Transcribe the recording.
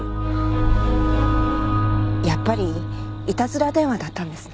やっぱりいたずら電話だったんですね。